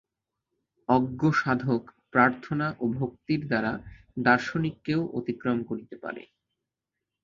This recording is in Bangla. অজ্ঞ সাধক প্রার্থনা ও ভক্তির দ্বারা দার্শনিককেও অতিক্রম করিতে পারে।